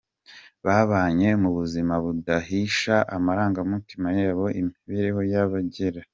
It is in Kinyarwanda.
Babanye mu buzima budahisha amarangamutima y’abo imbere y’ababarega.